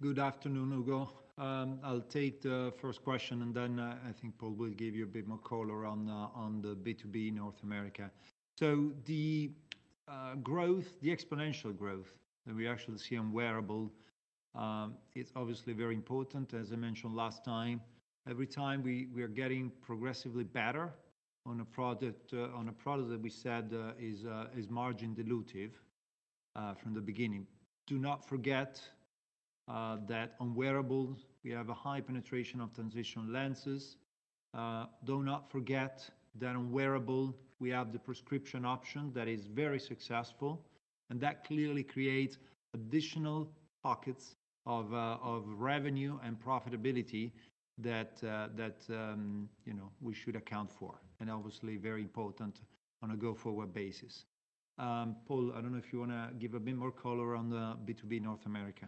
Good afternoon, Hugo. I'll take the first question, and then I think Paul will give you a bit more color on the B2B North America. The growth, the exponential growth that we actually see on Wearable, it is obviously very important, as I mentioned last time. Every time we are getting progressively better on a product that we said is margin dilutive from the beginning. Do not forget that on Wearables, we have a high penetration of Transitions lenses. Do not forget that on Wearables, we have the Prescription option that is very successful, and that clearly creates additional pockets of revenue and profitability that we should account for. Obviously, very important on a go-forward basis. Paul, I do not know if you want to give a bit more color on the B2B North America.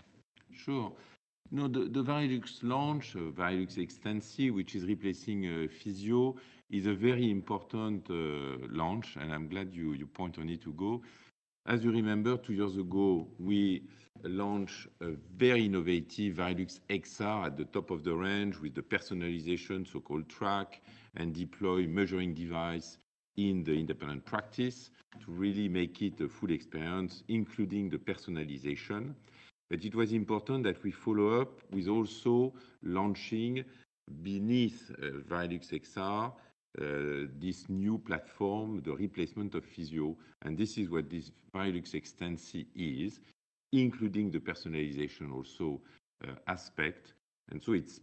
Sure. No, the Varilux launch, Varilux Extensi, which is replacing Fizio, is a very important launch, and I'm glad you point on it, Hugo. As you remember, two years ago, we launched a very innovative Varilux XR at the top of the range with the personalization, so-called track and deploy measuring device in the independent practice to really make it a full experience, including the personalization. It was important that we follow up with also launching beneath Varilux XR. This new platform, the replacement of Fizio. And this is what this Varilux Extensi is, including the personalization also. Aspect. And so it's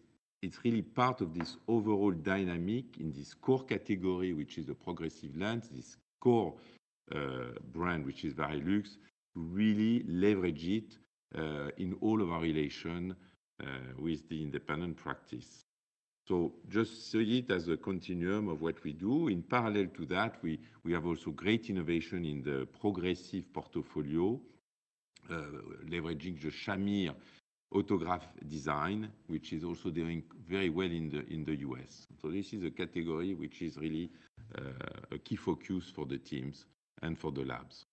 really part of this overall dynamic in this core category, which is the progressive lens, this core. Brand, which is Varilux, to really leverage it. In all of our relations. With the independent practice. So just see it as a continuum of what we do. In parallel to that, we have also great innovation in the progressive portfolio. Leveraging the Shamir Autograph design, which is also doing very well in the U.S.. So this is a category which is really. A key focus for the teams and for the labs.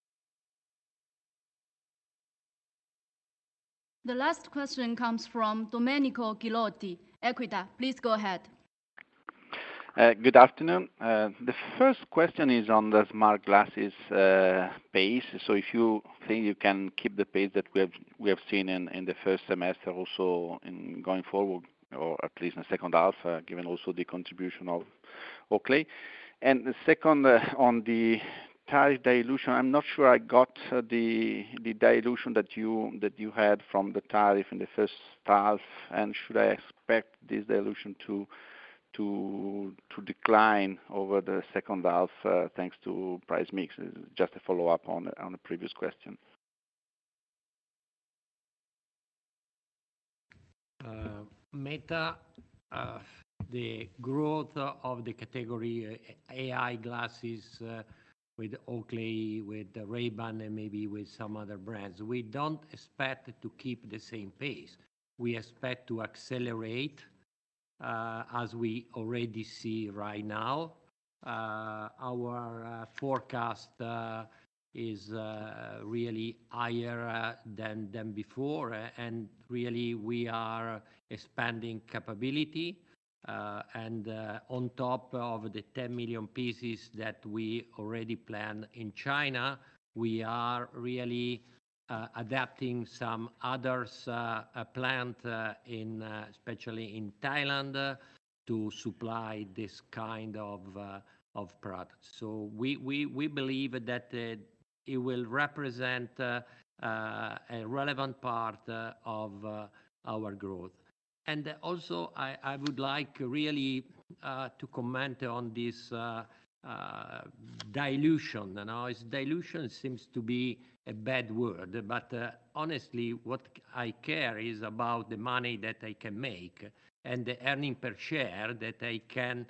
The last question comes from Domenico Ghilotti. EQUITA, please go ahead. Good afternoon. The first question is on the smart glasses. Base. So if you think you can keep the pace that we have seen in the first semester, also going forward, or at least in the second half, given also the contribution of Oakley. And the second on the tariff dilution, I'm not sure I got the dilution that you had from the tariff in the first half. And should I expect this dilution to. Decline over the second half thanks to price mix? Just a follow-up on a previous question. Meta. The growth of the category AI glasses. With Oakley, with Ray-Ban, and maybe with some other brands. We don't expect to keep the same pace. We expect to accelerate. As we already see right now. Our forecast. Is really higher than before. And really, we are expanding capability. And on top of the 10 million pieces that we already planned in China, we are really. Adapting some others. Plants, especially in Thailand, to supply this kind of. Product. So we believe that. It will represent. A relevant part of. Our growth. And also, I would like really to comment on this. Dilution. Dilution seems to be a bad word, but honestly, what I care about is the money that I can make and the earning per share that I can.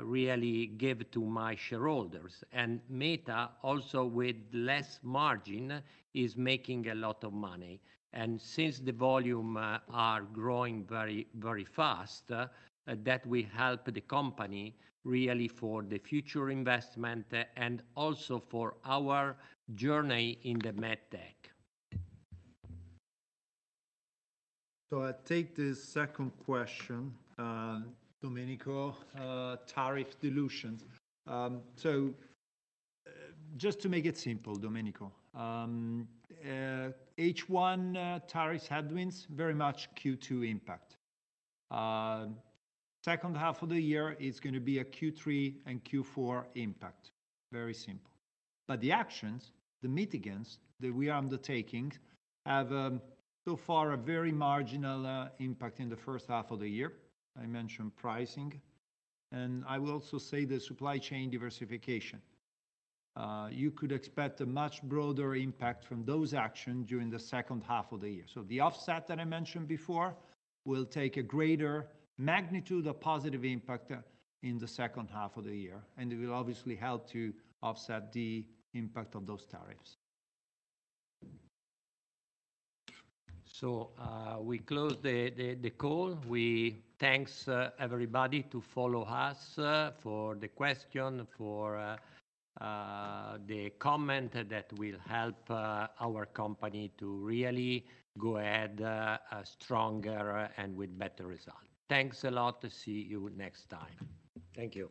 Really give to my shareholders. And Meta, also with less margin, is making a lot of money. And since the volumes are growing very fast. That will help the company really for the future investment and also for our journey in the Med tech. I will take the second question. Domenico. Tariff dilution. So. Just to make it simple, Domenico. H1 tariffs headwinds, very much Q2 impact. Second half of the year, it's going to be a Q3 and Q4 impact. Very simple. The actions, the mitigants that we are undertaking have so far a very marginal impact in the first half of the year. I mentioned pricing. I will also say the supply chain diversification. You could expect a much broader impact from those actions during the second half of the year. The offset that I mentioned before will take a greater magnitude of positive impact in the second half of the year, and it will obviously help to offset the impact of those tariffs. We close the call. We thank everybody for following us, for the questions, for the comments that will help our company to really go ahead stronger and with better results. Thanks a lot. See you next time. Thank you.